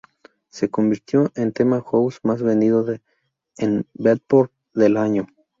Se convirtió en tema house más vendido en Beatport del año.